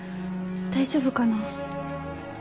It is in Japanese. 大丈夫かな？